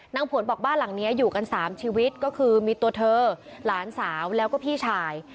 ผวนบอกบ้านหลังนี้อยู่กัน๓ชีวิตก็คือมีตัวเธอหลานสาวแล้วก็พี่ชาย